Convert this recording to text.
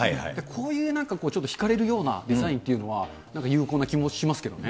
こういうちょっと引かれるようなデザインっていうのは、なんか有効な気もしますけどね。